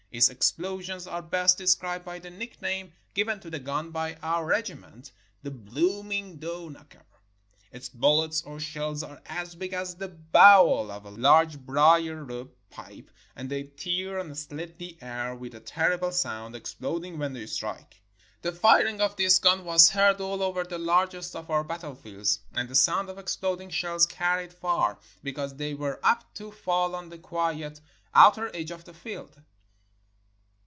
Its explo 459 SOUTH AFRICA sions are best described by the nickname given to the gun by one regiment: "The blooming door knocker." Its bullets or shells are as big as the bowl of a large brier root pipe, and they tear and slit the air with a terrible sound, exploding when they strike. The firing of this gun was heard all over the largest of our battlefields, and the sound of exploding shells carried far, because they were apt to fall on the quiet, outer edge of the field.